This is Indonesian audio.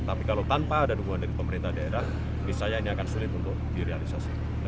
tapi kalau tanpa ada dukungan dari pemerintah daerah misalnya ini akan sulit untuk direalisasi